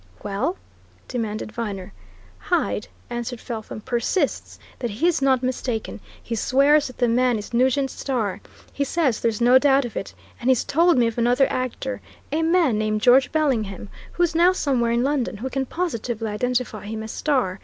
"Well?" demanded Viner. "Hyde," answered Felpham, "persists that he's not mistaken. He swears that the man is Nugent Starr. He says there's no doubt of it! And he's told me of another actor, a man named George Bellingham, who's now somewhere in London, who can positively identify him as Starr.